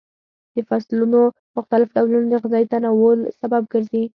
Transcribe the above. د فصلونو مختلف ډولونه د غذایي تنوع سبب ګرځي.